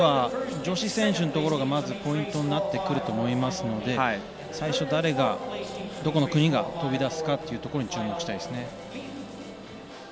ここでは女子選手のところがまずポイントになってくると思いますので最初、誰がどこの国が飛び出すかというところに注目したいですね。